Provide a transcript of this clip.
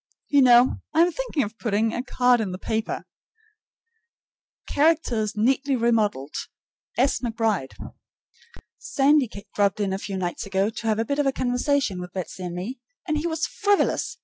You know, I am thinking of putting a card in the paper: Characters neatly remodeled. S. McBride. Sandy dropped in two nights ago to have a bit of conversation with Betsy and me, and he was FRIVOLOUS.